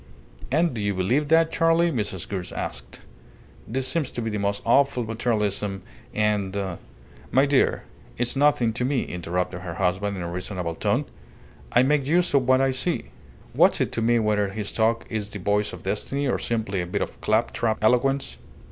"And do you believe that, Charley?" Mrs. Gould asked. "This seems to me most awful materialism, and " "My dear, it's nothing to me," interrupted her husband, in a reasonable tone. "I make use of what I see. What's it to me whether his talk is the voice of destiny or simply a bit of clap trap eloquence?